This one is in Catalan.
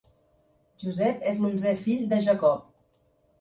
Josep és l'onzè fill de Jacob.